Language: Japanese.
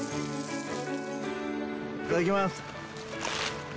いただきます。